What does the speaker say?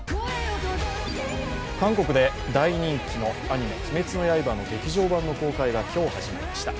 韓国で大人気のアニメ「鬼滅の刃」の劇場版の公開が今日、始まりました。